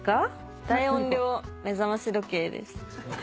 大音量目覚まし時計です。